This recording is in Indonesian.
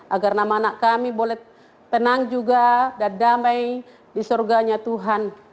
agar nama anak kami boleh tenang juga dan damai di surganya tuhan